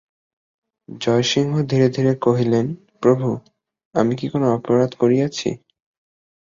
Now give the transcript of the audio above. জয়সিংহ ধীরে ধীরে কহিলেন, প্রভু, আমি কি কোনো অপরাধ করিয়াছি?